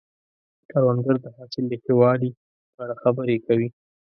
کروندګر د حاصل د ښه والي په اړه خبرې کوي